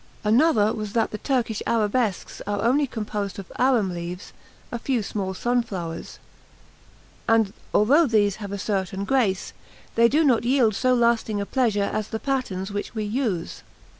Another was that the Turkish arabesques are only composed of arum leaves a few small sunflowers; and though these have a certain grace, they do not yield so lasting a pleasure as the patterns which we use.